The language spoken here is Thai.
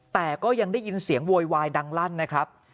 แต่ก็ยังได้ยินเสียงโวยวายดังลั่นนะครับ